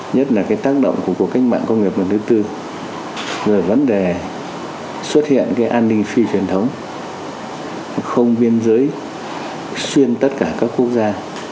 nhất là cái tác động của cuộc cách mạng công nghiệp lần thứ tư rồi vấn đề xuất hiện cái an ninh phi truyền thống không biên giới xuyên tất cả các quốc gia